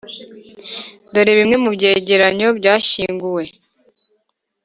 dore bimwe mu byegeranyo byashyinguwe